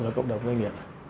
và cộng đồng doanh nghiệp